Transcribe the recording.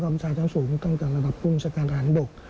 ทางสูงต้องการระดับภูมิเศรษฐการอาหารบก